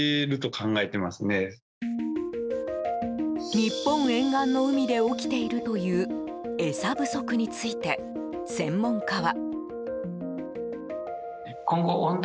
日本沿岸の海で起きているという餌不足について専門家は。